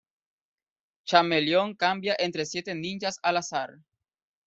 Chameleon cambia entre siete ninjas al azar.